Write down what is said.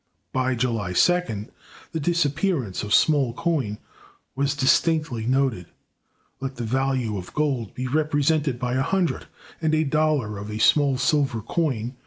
By July 2d the disappearance of small coin was distinctly noted. Let the value of gold be represented by 100; and a dollar of small silver coin (345.